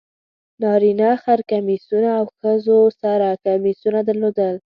نارینه خر کمیسونه او ښځو سره کمیسونه درلودل.